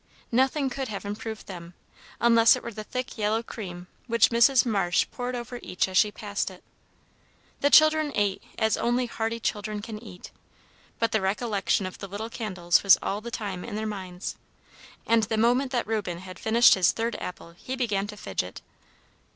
Nothing could have improved them, unless it were the thick yellow cream which Mrs. Marsh poured over each as she passed it. The children ate as only hearty children can eat, but the recollection of the little candles was all the time in their minds, and the moment that Reuben had finished his third apple he began to fidget.